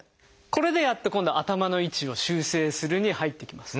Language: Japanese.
これでやっと今度「頭の位置を修正する」に入っていきます。